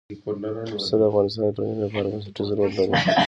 پسه د افغانستان د ټولنې لپاره بنسټيز رول لري.